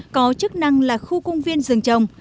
có chức năng là khu công viên rừng trồng